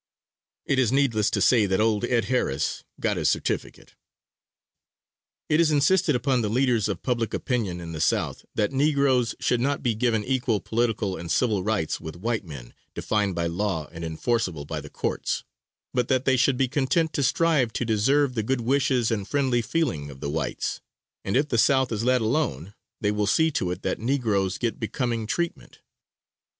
It is needless to say that old Ed. Harris got his certificate. It is insisted upon by the leaders of public opinion at the South, that negroes should not be given equal political and civil rights with white men, defined by law and enforceable by the courts; but that they should be content to strive to deserve the good wishes and friendly feeling of the whites, and if the South is let alone, they will see to it that negroes get becoming treatment.